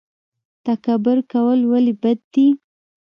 تکبر کول ولې بد دي؟